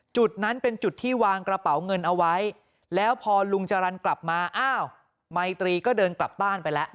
จุดนั้นเป็นจุดที่วางกระเป๋าเงินเอาไว้แล้วพอลุงจรรย์กลับมาอ้าวไมตรีก็เดินกลับบ้านไปแล้ว